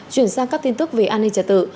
chuyển sang các tin tức về an ninh trả tự